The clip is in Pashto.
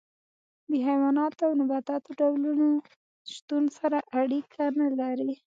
د حیواناتو او نباتاتو ډولونو شتون سره اړیکه نه لري.